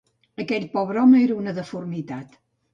Aquell pobre home era una deformitat.